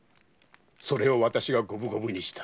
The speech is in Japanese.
それを私が五分五分にした。